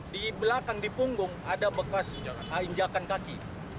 di belakang di punggung ada bekas injakan kaki